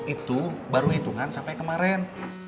itu baru hitungan sampai kemarin